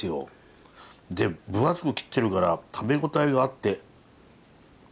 で分厚く切ってるから食べ応えがあって。